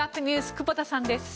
久保田さんです。